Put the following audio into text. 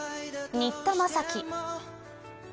新田正樹。